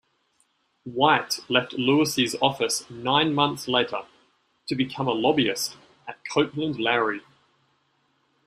White left Lewis' office nine months later, to become a lobbyist at Copeland Lowery.